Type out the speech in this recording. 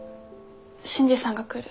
新次さんが来る。